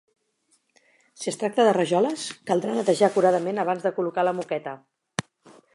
Si es tracta de rajoles, caldrà netejar acuradament abans de col·locar la moqueta.